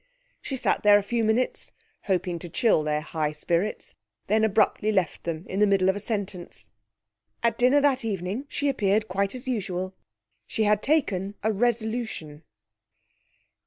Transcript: She sat there a few minutes, hoping to chill their high spirits, then abruptly left them in the middle of a sentence. At dinner that evening she appeared quite as usual. She had taken a resolution.